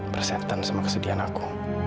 bersetan sama kesedihan aku